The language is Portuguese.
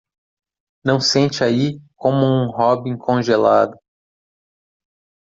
Não sente aí como um robin congelado.